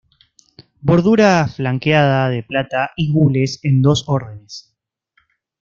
Bordura flanqueada de plata y gules en dos órdenes.